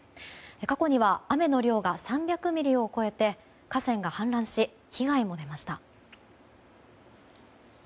過去には雨の量が３００ミリを超えて河川が氾濫し被害も出ました。